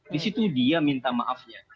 di situ dia minta maafnya